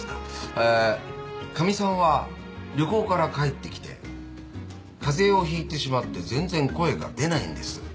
かみさんは旅行から帰ってきて風邪をひいてしまって全然声が出ないんです。